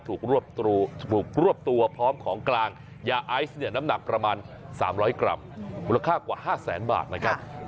ถูกรวบตัวพร้อมของกลางยาไอซ์เนี่ยน้ำหนักประมาณ๓๐๐กรัมมูลค่ากว่า๕แสนบาทนะครับ